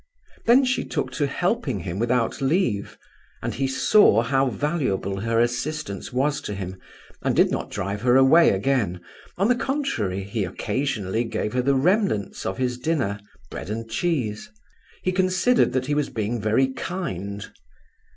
Then she took to helping him without leave; and he saw how valuable her assistance was to him, and did not drive her away again; on the contrary, he occasionally gave her the remnants of his dinner, bread and cheese. He considered that he was being very kind.